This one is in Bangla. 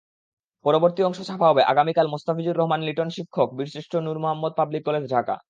পরবর্তী অংশ ছাপা হবে আগামীকালমোস্তাফিজুর রহমান লিটনশিক্ষক, বীরশ্রেষ্ঠ নূর মোহাম্মদ পাবলিক কলেজ, ঢাকা।